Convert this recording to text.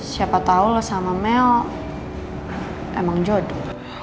siapa tau lo sama mel emang jodoh